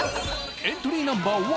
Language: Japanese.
エントリーナンバー１